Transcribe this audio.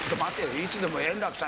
いつでも円楽さん